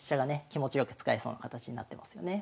気持ち良く使えそうな形になってますよね。